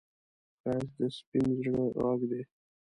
ښایست د سپين زړه غږ دی